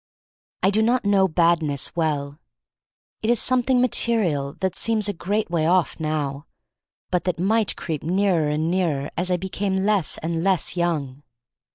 I do not know Badness well. It is something material that seems a great way off now, but that might creep nearer and nearer as I became less and less young.